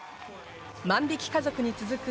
『万引き家族』に続く